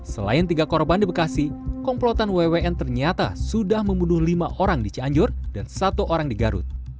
selain tiga korban di bekasi komplotan wwn ternyata sudah membunuh lima orang di cianjur dan satu orang di garut